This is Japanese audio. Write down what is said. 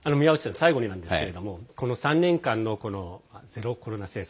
最後になんですけれどもこの３年間のゼロコロナ政策